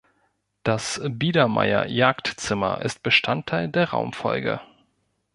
Das "Biedermeier-Jagdzimmer" ist Bestandteil der Raumfolge.